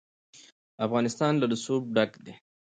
افغانستان له رسوب ډک دی.